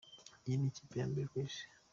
"Iyi ni ikipe ya mbere ku isi.